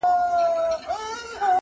څه به زر کلونه د خیالي رستم کیسه کوې!